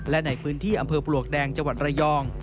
และในพื้นที่อำเภอปลวกแดงจังหวัดระยอง